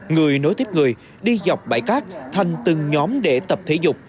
người nối tiếp người đi dọc bãi cát thành từng nhóm để tập thể dục